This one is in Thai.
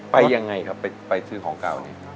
ไปยังไงครับไปซื้อของเก่านี้